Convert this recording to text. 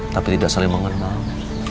tapi tidak saling mengenal